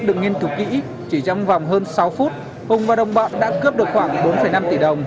được nghiên cứu kỹ chỉ trong vòng hơn sáu phút hùng và đồng bọn đã cướp được khoảng bốn năm tỷ đồng